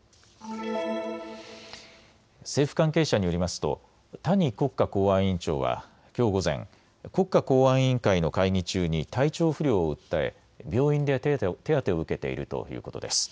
政府関係者によりますと谷国家公安委員長はきょう午前、国家公安委員会の会議中に体調不良を訴え病院で手当てを受けているということです。